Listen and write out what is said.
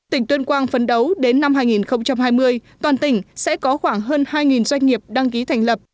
tỉnh tuyên quang phấn đấu đến năm hai nghìn hai mươi toàn tỉnh sẽ có khoảng hơn hai doanh nghiệp đăng ký thành lập